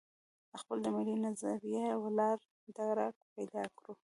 خپل د ملي نظریه ولاړ درک پیدا کړو.